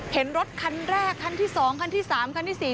เห็นรถคันแรกคันที่สองคันที่สามคันที่สี่